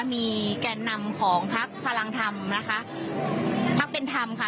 มีแก่นำของพักพลังธรรมนะคะพักเป็นธรรมค่ะ